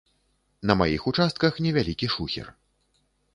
На маіх участках невялікі шухер.